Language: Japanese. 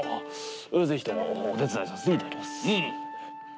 ぜひともお手伝いさせていただきます。